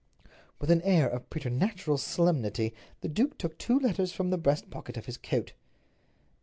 With an air of preternatural solemnity the duke took two letters from the breast pocket of his coat.